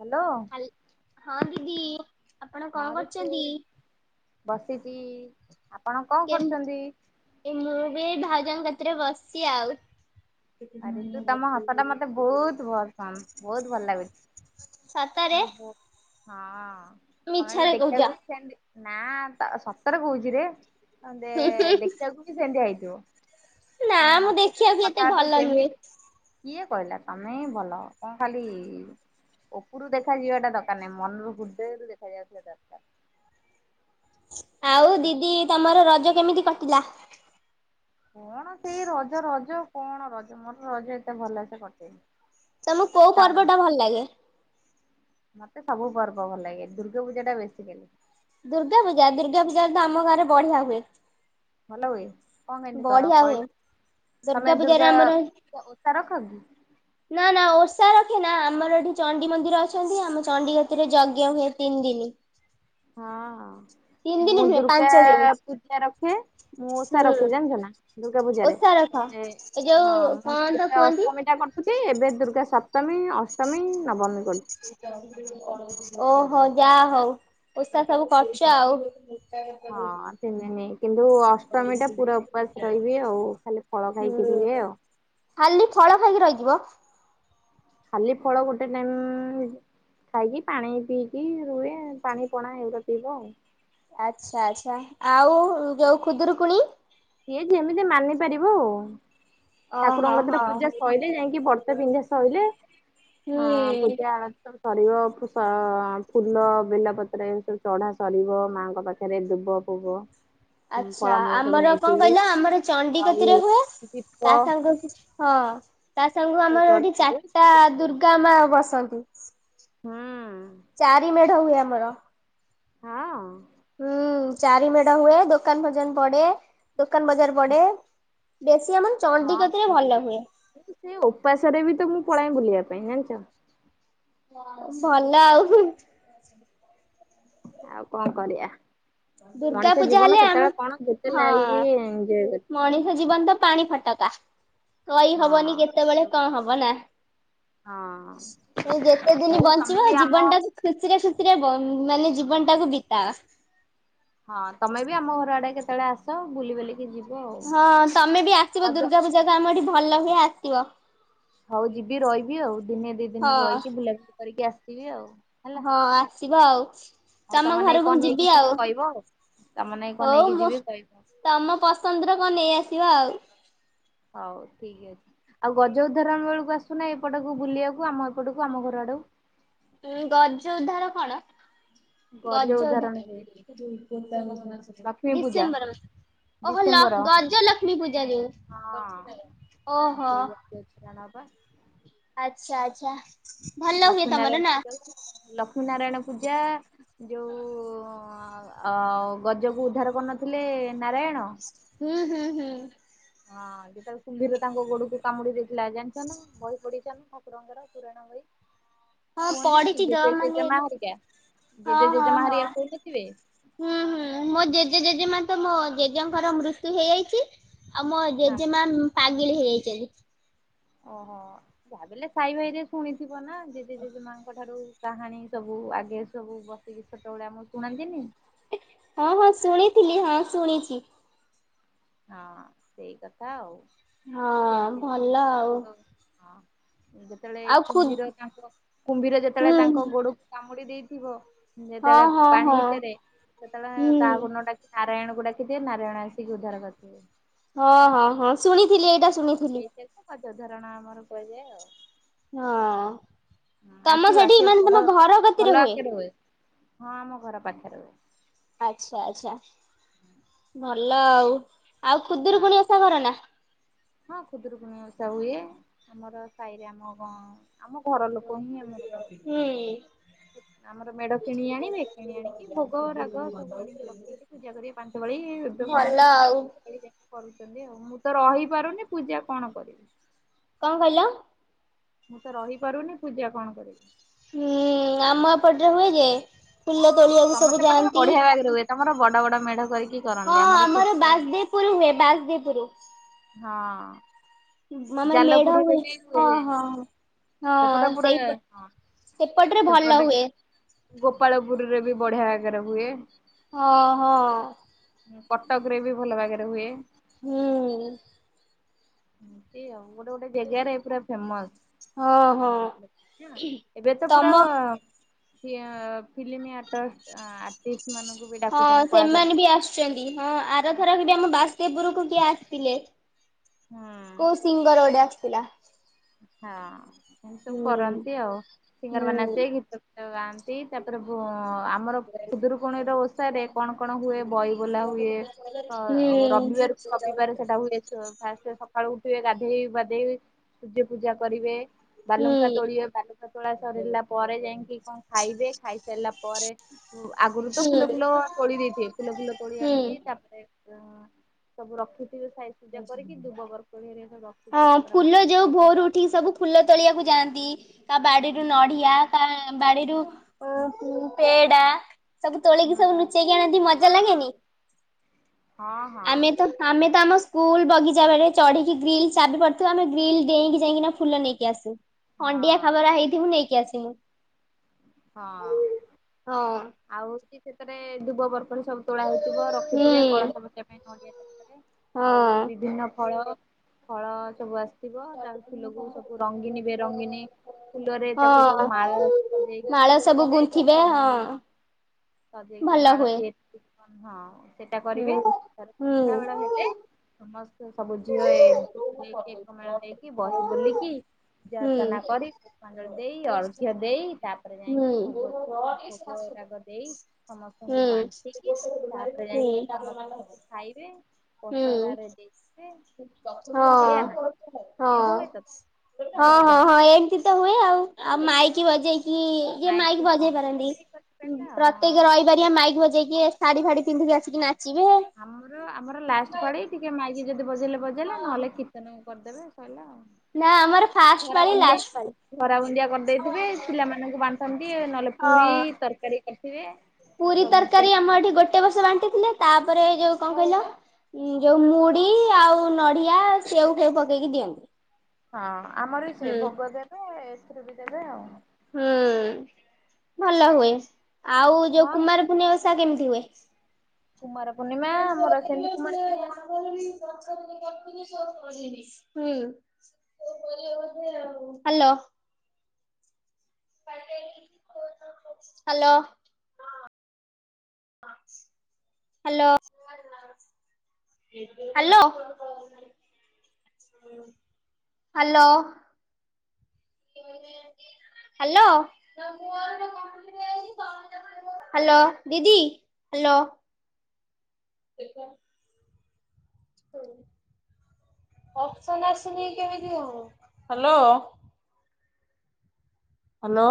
Hello ହଁ ଦିଦି ଆପଣ କଣ କରୁଛନ୍ତି? ବସିଛି ଆପଣ କଣ କେମ୍ କରୁଛନ୍ତି? ଏ ମୁଁ ବି ଏଇ ଭାଉଜଙ୍କ କତିରେ ବସିଛି ଆଉ ଆ, ଋତୁ ତୋମ ହସା ଟା ମୋତେ ବହୁତ ପସନ୍ଦ, ବହୁତ ଭଲ ଲାଗୁ ସତରେ [inaudible] ହଁ। ତୋମେ ବି ମିଛରେ କହୁଛ। ଦେଖିବାକୁ ସେମତି ନା ତ ସତରେ କହୁଚିରେ। ଅ, ହୁଁ ହୁଁ ଦେ- ଦେଖିବାକୁ ବି ସେମିତିଆ ହେଇ ଥିବ। ନା ମୁଁ ଦେଖିବାକୁ ଏତେ ଭଲ [unintelligible] ଯେମିତି କିଏ କହିଲା ତୋମେ ଭଲ, କଣ ଖାଲି ଉପରୁ ଦେଖାଯିବାଟା ଦରକାର ନାହିଁ, ମନରୁ ହୃଦୟରୁ ଦେଖାଯାଉଥିବା ଦରକାର। ଆଉ ବୁଝିଲ। ଦିଦି ତୋମର ରଜ କେମିତି କ କିଲା କଣ ସେଇ ରଜ ରଜ କଣ ରଜ ମୋର ରଜ ଏତେ ଭଲସେ କଟିନି। ତୋମକୁ କୋଉ ପର୍ବ ଟା ଭଲ ଲାଗେ? ମୋତେ ସବୁ ପର୍ବ ଭଲ ଲାଗେ, ଦୁର୍ଗା ପୂଜା ଟା ବେଶୀ କିନ୍ତୁ। ଦୁର୍ଗା ପୂଜା, ଦୁର୍ଗା ପୂଜା ତ ଆମ ଗାଁରେ ବଢିଆ ହୁଏ। ଭଲ ହୁଏ। କଣ କେମତି କର ବଢିଆ ହୁଏ କହିଲ? ତୋମେ ପୂଜାରେ ଦୁର୍ଗା ଆମର ଓଷା ରଖ କି? ନା ନା ଓଷା ରଖେ ନା, ଆମର ଏଠି ଚଣ୍ଡି ମନ୍ଦିର ଅଛନ୍ତି ଆମ ଚଣ୍ଡି କତିରେ ଯଜ୍ଞ ହୁଏ ତିନି ଦିନ। ହଁ ହଁ ମୁଁ ଦିନି ନୁହେଁ ଦୁର୍ଗା ପାଞ୍ଚ ଦିନି ପୂଜା ରଖେ, ମୁଁ ଓଷା ରଖେ, ହୁଁ। ଜାଣିଚ ନା। ଦୁର୍ଗା ପୂଜାରେ ଓଷା ରଖ ଏ ଏ-ହଁ ଯୋଉ ମୁଁ କଣ ତ ସେଟା କୁହନ୍ତି ଅଷ୍ଟମୀ ଟା କରୁଥିଲି, ଏବେ ଦୁର୍ଗା ଅଷ ସପ୍ତମୀ, ଅଷ୍ଟମୀ ନବମୀ କରୁଛି। ଓ ହଁ ଯାହା ହଉ ଓଷ ଷା ସବୁ କରଚ ଆଉ, ହଁ ତିନି ଦିନି କିନ୍ତୁ ଅଷ୍ଟମୀ ଟା ପୁରା ଉପାସ ରହିବି ଆଉ ଖାଲି ଫଳ ଖାଇକି ରୁହେ ଆଉ। ଖାଲି ଫଳ ଖାଇକି ରହିଯିବ? ଖାଲି ଫଳ ଗୋଟେ ଟାଇମ୍ ଖାଇକି ପାଣି ପିଇକି ରୁହେ, ପାଣି ପଣା ଏଉଡା ପିଇବ ଆଉ। ଆଚ୍ଛା ଆଚ୍ଛା ଆଉ ଯୋଉ ଖୁଦୁରୁକୁଣୀ ସିଏ ଯେମିତି ମାନି ପାରିବ ଠାକୁରଙ୍କ ଓହୋ କତିରେ ହଁ ପୂଜା ସଇଲେ ଯାଇକି ବ୍ରତ ପିନ୍ଧା ସଇିଲେ ଆ, ହୁଁ। ପୂଜା ସରିବ ଫୁ-ସ-ଅ, ଫୁଲ ବେଲପତ୍ର ଏସବୁ ଚଢା ସରିବ, ମାଙ୍କ ପାଖରେ ଦୁବ ଫୁବ ଆଚ୍ଛା ଫଳମୂଳ ସବୁ ଆମର କଣ ନେଇଥିବି କହିଲ ଆମର ଚଣ୍ଡି ଆଉ କତିରେ ହୁଏ, ଦୀପ ତା ସାଙ୍ଗକୁ ହଁ। ତା ସାଙ୍ଗୁ ସବୁ ଆମର ଚଢା ଏଠି ସରିବ ଚାରଟା ଯାଇକି ଖାଇବ। ଦୁର୍ଗା ମା ବସନ୍ତି। ହୁଁ। ଚାରି ମେଢ ହୁଏ ଆମ ଆମର। ହଁ। ହୁଁ ଚାରି ମେଢ ହୁଏ ଦୋକାନ ଭଜନ ପଡେ। ଦୋକାନ ବଜାର ପଡେ। ବେସ୍ ହଁ ଭଲ ଲାଗ ସେ ଉପାସରେ ବି ତ ମୁଁ ପଳାଏ ବୁଲିବା ପାଇଁ ଜାଣିଛ ଚ। ଭଲ ଆଉ। ଆଉ କଣ କରିବା? ଦୁର୍ଗା ମଣିଷ ପୂଜା ଜୀବନ ହେଲେ ଆମ କେତେବେଳେ କଣ ଯେତେ ହଁ ଲାଇଫ୍ ଏଞ୍ଜୟ କରି ମଣିଷ ଜୀବନ ତ ପାଣି ଫଟକା। କହି ହବନି କେତେବେଳେ କଣ ହବ ନା ହଁ ଯେତେ ଦିନ ହଉ ତମେ ବଞ୍ଚିବ ବି ଆମ ଜୀବନ ଟାକୁ ଖୁସିରେ ଖୁସିରେ ବ ମାନେ ଜୀବନଟାକୁ ବିତାଅ। ହଁ ତମେ ବି ଆମ ଘର ଆଡେ କେତେବେଳେ ଆସ ବୁଲି ବାଲିକି ଯି ହଁ ତମେ ବି ଆସିବ ଦୁର୍ଗା ପୂଜା କୁ ଆମ ଏଠି ଭଲ ହୁଏ ଆସ ଆସିବ। ହଉ ଯିବି ରହିବି ଆଉ। ଦିନେ ଦି ଦିନି ହଁ ରହିକି ବୁଲା ବୁଲ କରିକି ଆସି ଆସିବି ଆଉ। ହେଲା। ହଁ ଆସ ଆସିବା ଆଉ। ଆଉ ତମ ନାଗି ଘରକୁ କଣ ମୁଁ ନେଇକି ଯିବି ଆଉ। କହିବ ତମ ନାଗି କଣ ହଉ ନେଇକି ମୁଁ ଯିବି କହିବ। ତମ ପସନ୍ଦର କଣ ନେଇ ଆସି ଯିବା ଆଉ। ହଉ ଠିକ ଅଛି ଆଉ ଗଜ ଉଦ୍ଧାରଣ ବେଳକୁ ଆସୁନ ଏପଟକୁ ବୁଲିବାକୁ ଆମ ଏପଟକୁ ଆମ ଘର ଆଡେ। ଗଜ ଉଦ୍ଧାର କଣ? ଗଜ ଉଦାହରଣ ହୁଏ ଉଦ୍ଧାର ଲକ୍ଷ୍ମୀ ପୂଜା ଡିସେମ୍ବର ମାସ ଓହୋ ଡିସେମ୍ବର ଲକ୍ଷ୍ମ ହଁ। ଗଜ ଲକ୍ଷ୍ମୀ ପୂଜା ଯୋଉ ହଁ ଓହୋ। ସେଇ ଜାତୀୟ ଉତ୍ପାରଣ ବା ଆଚ୍ଛା ଆଚ୍ଛା। ଭଲ ହୁଏ ଲକ୍ଷ୍ମୀ ତମର ନାରାୟଣ ନା ପୂଜା କୁ ଲକ୍ଷ୍ମୀ ନାରାୟଣ ପୂଜା ଯୋଉ ଉ ଉ ଆ ଗଜକୁ ଉଦ୍ଧାର କରିନଥିଲେ ନାରାୟଣ ହୁଁ ହୁଁ ହୁଁ। ହଁ ଯେତେବେଳେ କୁମ୍ଭୀର ତାଙ୍କ ଗୋଡକୁ କାମୁଡି ଦେଇ ପିଲା ଜାଣିଚନା ବହି ପଢିଚନା? ଶିବଙ୍କର ପୁରଣ ବହି। ହଁ କୁହନ୍ତିନି ପଢିଛି ତ ଜେଜେ ମାନେ ଜେଜେମା ହେରିକା ହଁ ଜେଜେ ହଁ ଜେଜେମା ହଁ ହେରିକା କହୁନଥିବେ ହୁଁ ହୁଁ ମୋ ଜେଜେ ଜେଜେମା ତ ମୋ ଜେଜେଙ୍କର ମୃତ୍ୟୁ ହେଇଯାଇଚି ଆଉ ମୋ ହଁ ଜେଜେମା ପାଗେ ହେଇଯାଇଚି ଆଜି। ଓହୋ ଭାବିଲେ ସାଇ ଭାଇ ରେ ଶୁଣିଥି ହବ ନା ଜେଜେ ଜେଜେମାଙ୍କ ଠାରୁ କାହାଣୀ ସବୁ ଆଗେ ସବୁ ବସିକି ଛୋଟ ବେଳେ ଆମକୁ ଶୁଣାନ୍ତିନି। ହଁ ହଁ ଶୁଣିଥିଲି ହଁ ଶୁଣିଚି। ହଁ ସେଇ କଥା ଆଉ। ହଁ ଯେମିତି ଭଲ ତାଙ୍କ ଆଉ। ଗୋଡ ହଁ ଯେତେବେଳେ ଆଉ ଖୁ କୁମ୍ଭୀର ତାଙ୍କ କୁମ୍ଭୀର ହୁଁ ଯେତେବେଳେ ତାଙ୍କ ହୁଁ ଗୋଡକୁ କାମୁଡି ଦେଇ ଥିବ। ହଁ ଯେତେବେଳେ ହଁ ପାଣି ହଁ ଭିତରେ ସେତେବେଳେ ହୁଁ କାହାକୁ ନ ଡାକି ନାରାୟଣ ଗୁଟା କେ ନାରାୟଣ ଆସିକି ଉଧାର କରି ହୁ ହଁ ହଁ ହଁ ଶୁଣିଥିଲି ଏଇଟା। ଶୁଣିଥିଲି। ହଛ ଧରଣ ଆମର କହିଲେ ଆଉ ହଁ। ତମ ଆସିବ ସେଠି ଆସିବ ମାନେ ବଡ ତମ ଘର ଭଲ କତିରେ ହୁଏ। ଆକାରରେ ହଁ ଆମ ଘର ପାଖରେ ହୁଏ। ଆଚ୍ଛା ଆଚ୍ଛା। ହୁଁ। ଭଲ ଆଉ। ଆଉ ଖୁଦୁରୁକୁଣୀ ଓଷା କରନା। ହଁ ଖୁଦରୁକୁଣୀ ଉଷା ହୁଏ ଆମର ସାହିରେ ଆମ ଗଣ ଆମ ଘର ଲୋକ ହିଁ ଆମର କର ହୁଁ ଆମର ମେଢ କିଣି ଆଣିବେ କିଣି ଆଣିକି ଭୋଗ ରାଗ ସବୁ ଆଣିକି ରଖିକି ପୂଜା କରିକି ପାଞ୍ଚ ପାଳି ଏବେ କଣ ଭଲ ଆଉ କର ଆଉ ମୁଁ ତ ରହିବି। ପାରୁନି ପୂଜା କଣ କରିବି? କଣ କହିଲ? ମୁଁ ତ ରହିପାରୁନି ପୂଜା କଣ କରିବି? ହୁଁ ଆମପଟରେ ହୁଏ ଯେ ଫୁଲ ତୋଳିବାକୁ ସବୁ ଯାଆନ୍ତି। ଆମର ବଡ ବଡ ମେଢ କରିକି ହଁ କରନ୍ତି ଆମର ଛୋଟ ବାଜଦେପୁର ହୁଏ ବାଜଦେପୁର। ହଁ। ଆମର ମେଢ ଜାଲପୁରରେ ହୁଏ ବି ହଁ ହଁ ହଁ ସେପଟେ ପୁରା ସେଇ ହଁ ସେପଟରେ ଭଲ ସେପଟେ ହୁଏ। ଗୋପାଳପୁରରେ ବି ବଢିଆ ଆକାରେ ହୁଏ। ହଁ ହଁ। କଟକ ରେ ବି ଭଲ ଭାବରେ ହୁଏ। ହଁ। ହଁ ସେଇ ଆଉ ଗୋଟେ ଗୋଟେ ଜାଗାରେ ପୁରା ହଁ ହଁ ଫେମସ ଏବେ ତ ପୁରା ତମ ଫିଲ୍ମ ଆଟ ଆର୍ଟିଷ୍ଟ ମାନଙ୍କୁ ବି ହଁ ଡାକୁଛନ୍ତି ସେମାନେ ବି କଳାକାର। ଆସୁଛନ୍ତି ହଁ ଆରଥରକ ବି ଆମ ବାସେପୁରକୁ ଏ ଆସିଥିଲେ ହୁଁ। କୋଉ ସିଙ୍ଗରଡା? ପିଲା ହଁ। ଏମତି ସବୁ କରନ୍ତି ଆଉ, ସିଙ୍ଗର ମାନେ ହୁଁ। ଆସିବେ, ଗୀତ ଫିତ ଗାଆନ୍ତି। ତାପରେ ଭୋ ଆମର ଖୁଦୁରୁକୁଣୀର ଓଷାରେ କଣ କଣ ହୁଏ। ବହି ବୋଲା ହୁଏ। ହୁଁ ରବିବାରକୁ ରବିବାର ସେଟା ହୁଏ। ଫାଷ୍ଟ ସକାଳୁ ଉ ରେ ଗାଧେଇ ପାଧେଇ ପୂଜା ଫୁଜା କରିବେ ହୁଁ ହୁଁ ବାଲୁଙ୍କା ତୋଳିବେ ବାଲୁଙ୍କା ତୋଳା ସରିଲା ପରେ ଯାଇଙ୍କି କଅ ଖାଇବେ। ଖାଇସାରିଲା ପରେ ଆଗୁରୁ ତ ଫୁଲ ଫୁଲ ତୋଳି ଦେଇଥିବେ ଫୁଲ ଫୁଲ ତୋଳି ହୁଁ ଆଣିକି ତାପରେ ହଁ ସବୁ ରଖିଥିବେ ସାଇ ପୁଜା କରିକି ଦୁବ ବରକୋଳି ହାରିକା ସବୁ ରଖିକି। ହଁ ତାପରେ ମା ଫୁଲ ଯୋଉ ଭୋରୁ ଉଠିକି ସବୁ ଫୁଲ ତୋଳିଆକୁ ଯାଆନ୍ତି ବାଡିରୁ ହୁଁ ନଢ଼ିଆ କା ବାଢି ଯୋଉ ପେଏଡ଼ା ସବୁ ତୋଳିକି ହଁ ସବୁ ଲୁଚେଇକି ଆଣନ୍ତି। ମଜା ହଁ ଲାଗେନି? ହଁ ହଁ। ଆମେ ତ ଆମେ ତ ଆମ ସ୍କୁ ସ୍କୁଲ ବଗିଚା ବାଟେ ଚଢିକି ଗ୍ରିଲ୍ ଚାବି ପଡିଥିବା, ଆମେ ଗ୍ରିଲ୍ ଡେଇଁକି ଯାଇକିନା ଫୁଲ ନେଇକି ଆସୁ। ଖଣ୍ଡିଆ ହଁ ଖାବରା ହେଇଥିବୁ ନେଇକି ଆସୁ। [unintelligible] ହଁ ଆଉ ହୋଉଚି ସେଥିରେ ଦୁବ ବରକୋଳି ସେ ସବୁ ତୋଳା ହେଇଥିବ ରଖିଥିବେ ହୁଁ କଳସ ବସେଇବା ପାଇଁ ନଡିଆ ହଁ ଆଉ ବିଭିନ୍ନ ଫଳ ଫଳ ସବୁ ଆସି ଥିବ ତା ପରେ ଫୁଲକୁ ସବୁ ରଙ୍ଗିନୀ ବେରଙ୍ଗିନୀ ଫୁଲରେ ତାକୁ ସବୁ ହଁ ମାଳ ରେ ସଯେଇକି ମାଳ ସବୁ ଗୁନ୍ଥିବେ ହଁ ଭଲ ହୁଏ। ହଁଅ ସେଇଟା କରିବେ ହୁଁ ତା ପରେ ହୁଁ ସନ୍ଧ୍ୟାବେଳ ହେଲେ ସମସ୍ତେ ସବୁ ଝିଅ ଏକଜୁ ହେଇକି ଏକମେଳ ହେଇକି ବହି ବୋଲିକି କି ହୁଁ ପୂଜାର୍ଚ୍ଚନା କରି ସଞ୍ଜ ବେଳେ ଦେଇ ଅର୍ଘ୍ୟ ଦେଇ ତା ପ ହୁଁ ହୁଁ ହୁଁ। ଦେଇ ସମସ୍ତଙ୍କୁ ବାଣ୍ଟିକି ତାପରେ ଯାଇକି ସମସ୍ତେ ଖାଇବେ ହୁଁ ପସରାରେ ଦିଅନ୍ତି। ହଁ ହଁ ଏମିତି ହଁ ହୁଏ ତ ନା ହଁ ଆଉ କଣ ହଁ ଏମତି ତ ହୁଏ ଆଉ ଆଉ ମାଇକି ବଜେଇ ଯିଏ ମାଇକି ପାରନ୍ତି। ପ୍ରତ୍ୟେକ ରହିପାରିବା ମାଇକି ବଜେଇକି ଶାଢୀ ଫାଢୀ ପିନ୍ଧିକି ଆସିକି ନାଚିବେ। ଆମର ଆମର ଲାଷ୍ଟ ପାଳି ଟିକେ ମାଇକି ଯଦି ବଜେଇଲେ ବ ଜେଇଲେ ନହେଲେ କିର୍ତ୍ତନ କରିଦେବେ ସ‌ଇଲା ଆଉ। ନା ଆମର ଫାଷ୍ଟ ଘରା ପାଳି ବୁନ୍ଦିଆ ଲାଷ୍ଟ ପାଳି। ଘରା ବୁନ୍ଦିଆ କରିଦେଇଥିବେ ପିଲାମା ନଙ୍କୁ ବାଣ୍ଟନ୍ତି ନହେଲେ ପୁରୀ ହଁ। ତରକାରୀ କରିଥିବେ ପୁରୀ ସବୁ ମିଶେଇିକି ତରକାରୀ ଖାଆ ଆମ ଏଠି ଗୋଟେ ବର୍ଷ ବାଣ୍ଟିଥିଲେ ତାପରେ ଯୋଉ କଣ କହିଲ ଯୋଉ ମୁଡି ଆଉ ନଡିଆ ସେଉ ଫେଉ ପକେଇକି ଦିଅନ୍ତି। ହଁ ଆମର ବି ସେ ହୁଁ। ଭୋଗ ଦେଲେ [unintelligible] ଦେବେ ଆଉ। ହୁଁ ଭଲ ହୁଏ। ଆଉ ଯୋଉ ହଁ କୁମାର ପୁର୍ଣ୍ଣମୀ ଓଷା ଓଷା କେମିତି ହୁଏ? କୁମାର ପୂର୍ଣ୍ଣିମା [unintelligible] ସେୟା ଆମର ସେମିତି କୁମାର କରିବେ ପୂର୍ଣ୍ଣିମା ଆମର ବି? ହୁଁ hello. Hello. Hello hello hello. Hello hello ଦିଦି ହ୍ୟାଲୋ। ହେଲୋ। ହ୍ୟାଲୋ।